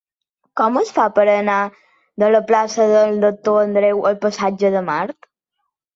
Com es fa per anar de la plaça del Doctor Andreu al passatge de Mart?